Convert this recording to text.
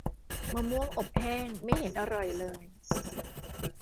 มะม่วงอบแห้ง ไม่เห็นอร่อยเลย